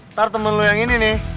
ntar temen lu yang ini nih